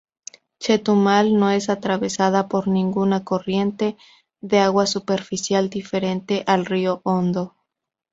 Chetumal no es atravesada por ninguna corriente de agua superficial diferente al río Hondo.